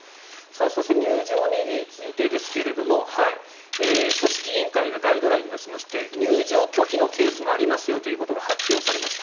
そして、入場についてですが組織委員会がガイドラインを出しまして入場拒否のケースもありますよということが発表されました。